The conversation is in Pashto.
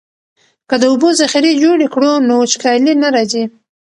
که د اوبو ذخیرې جوړې کړو نو وچکالي نه راځي.